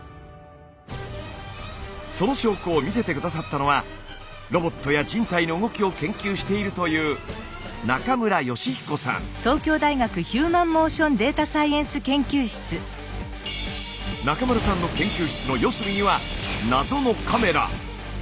その証拠を見せて下さったのはロボットや人体の動きを研究しているという中村さんの研究室の四隅には謎のカメラ。